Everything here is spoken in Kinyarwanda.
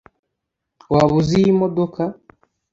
waba uzi iyi modoka